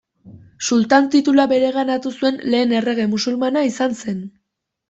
Sultan titulua bereganatu zuen lehen errege musulmana izan zen.